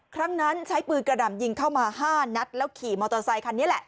ครั้งนั้นใช้ปืนกระดำยิงเข้ามา๕นัดแล้วขี่มอเตอร์ไซคันนี้แหละ